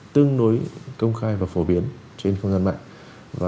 tương đối công khai và phổ biến trên không gian mạng